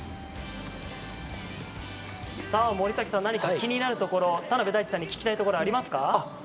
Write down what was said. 森崎さん、何か気になるところ田辺大智さんに聞きたいことはありますか？